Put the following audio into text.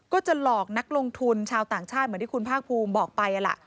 ก็จะหลอกนักลงทุนชาวต่างชาติเหมือนที่คุณภาคภูมิบอกไปล่ะ